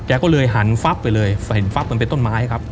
ก็เลยหันฟับไปเลยเห็นฟับมันเป็นต้นไม้ครับ